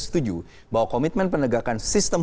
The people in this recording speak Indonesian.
setuju bahwa komitmen penegakan sistem